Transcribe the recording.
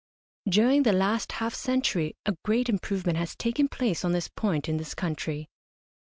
During the last half century a great improvement has taken place on this point in this country.